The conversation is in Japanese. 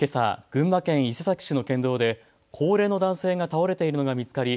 群馬県伊勢崎市の県道で高齢の男性が倒れているのが見つかり